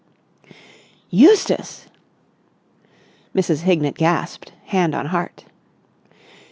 "Eustace!" Mrs. Hignett gasped, hand on heart.